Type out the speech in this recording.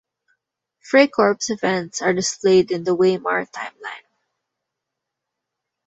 Freikorps events are displayed in the Weimar Timeline.